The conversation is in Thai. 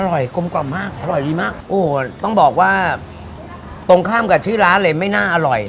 ยกลมกล่อมมากอร่อยดีมากโอ้โหต้องบอกว่าตรงข้ามกับชื่อร้านเลยไม่น่าอร่อย